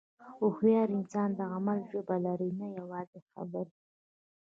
هوښیار انسان د عمل ژبه لري، نه یوازې خبرې.